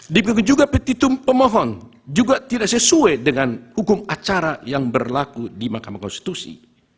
demikian juga petitum pemohon juga tidak sesuai dengan hukum acara yang berlaku di mahkamah konstitusi